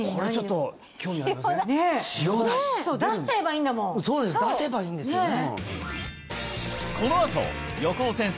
出るんだ出しちゃえばいいんだもんそうです出せばいいんですよねねえ